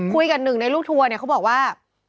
คุยกับหนึ่งในลูกทัวร์เนี่ยเขาบอกว่า